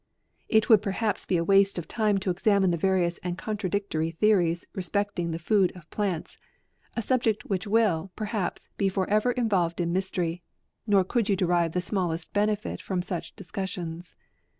It would perhaps be a waste of time to ex amine the various and contradictory theories respecting the food of plants ; a subject which will, perhaps, be forever involved in mystery, nor could you derive the smallest benefit from such discussions.